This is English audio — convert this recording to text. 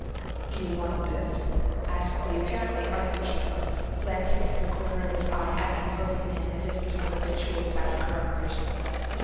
"Do you want a lift?" asked the apparently artificial growth, glancing from the corner of his eye at the imposing man as if for some habitual, silent corroboration.